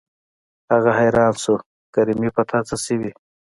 هغه حيران شو کریمې په تا څه شوي.